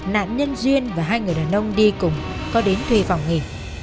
nạn nhân duyên và hai người đàn ông đi cùng có đến thuê phòng nghỉ